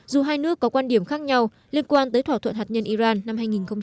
dù hai nước có quan điểm khác nhau liên quan tới thỏa thuận hạt nhân iran năm hai nghìn một mươi năm